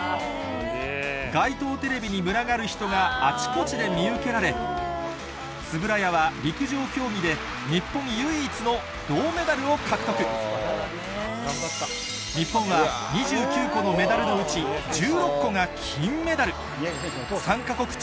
街頭テレビに群がる人があちこちで見受けられ円谷は陸上競技で日本唯一の銅メダルを獲得日本は２９個のメダルのうち大健闘！